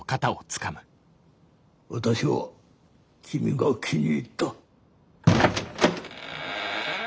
私は君が気に入った。